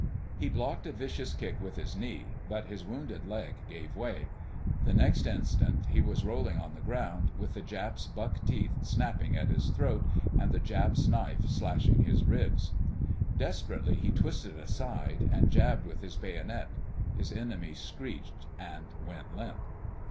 He blocked a vicious kick with his knee, but his wounded leg gave way. The next instant he was rolling on the ground, with the Jap's buck teeth snapping at his throat, and the Jap's knife slashing his ribs. Desperately he twisted aside and jabbed with his bayonet. His enemy screeched and went limp.